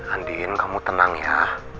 andin kamu tenang ya